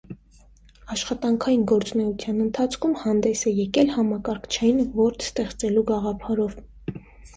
Աշխատանքային գործունեության ընթացքում հանդես է եկել համակարգչային որդ ստեղծելու գաղափարով։